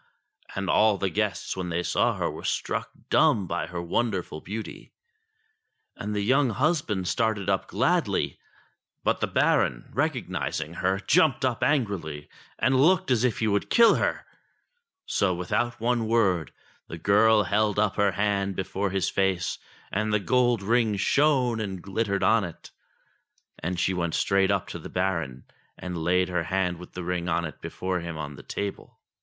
And all the guests when they saw her were struck dumb by her wonderful beauty. And the young husband started up gladly ; but the Baron, rec ognising her, jumped up angrily and looked as if he would 330 ENGLISH FAIRY TALES kill her. So, without one word, the girl held up her hand before his face and the gold ring shone and glittered on it ; and she went straight up to the Baron, and laid her hand with the ring on it before him on the table.